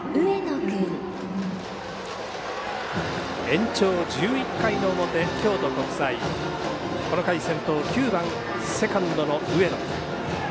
延長１１回の表京都国際、この回先頭９番、セカンドの上野。